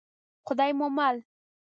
خدای مو مل.